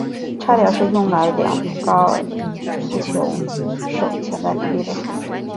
差点是用来量度高尔夫球手潜在能力的数值。